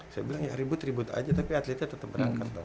saya bilang ya ribut ribut aja tapi atletnya tetap berangkat dong